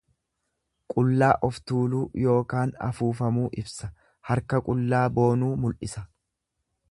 Qullaa of tuuluu ykn afuufamuu ibsa, harka qullaa boonuu mul'isa.